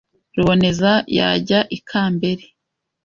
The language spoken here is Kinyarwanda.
Ruboneza yajya i Kambere